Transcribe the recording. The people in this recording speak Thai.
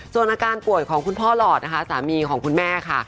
ส่วนอาการป่วยของคุณพ่อหลอดนะคะสามีของคุณแม่ค่ะ